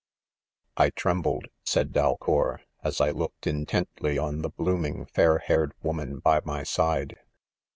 3 " I trembled," said Dalcour, " as I looked intently on the blooming fair haired woman by my side.